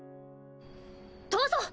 どうぞ！